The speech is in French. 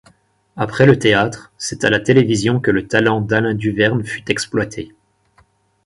Après le théâtre c'est à la télévision que le talent d'Alain Duverne fut exploité.